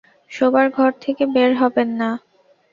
শোবার ঘর থেকে বের হবেন না।